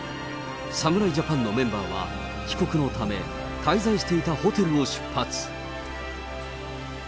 侍ジャパンのメンバーは、帰国のため、滞在していたホテルを出発。